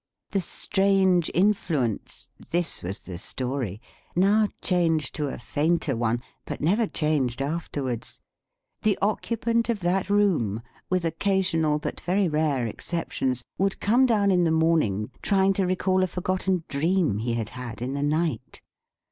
The strange influence (this was the story) now changed to a fainter one, but never changed afterwards. The occupant of that room, with occasional but very rare exceptions, would come down in the morning, trying to recall a forgotten dream he had had in the night.